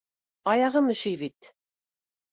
Аяғым өшөй бит!